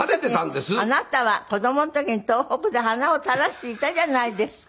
あなたは子供の時に東北で洟を垂らしていたじゃないですか。